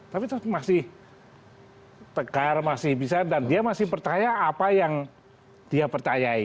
tapi masih tegar masih bisa dan dia masih percaya apa yang dia percayai